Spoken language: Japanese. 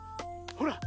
ほら。